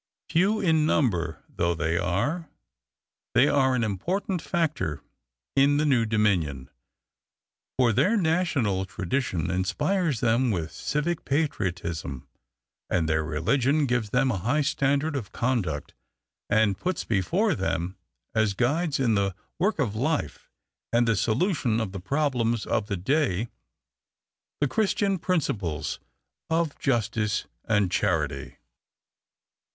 Few in number though they are, they are an important factor in the new Dominion, for their national tradition inspires them with civic patriotism, and their religion gives them a high standard of conduct and puts before them, as guides in the work of life and the solution of the problems of the day, the Christian principles of justice and charity.